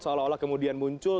seolah olah kemudian muncul